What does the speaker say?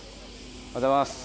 おはようございます。